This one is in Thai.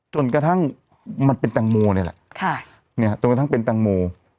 จนกระทั่งมันเป็นแตงโมนี่แหละจนกระทั่งเป็นแตงโม